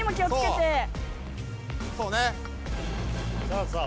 そうねさあさあ